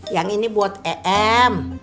yang ini buat em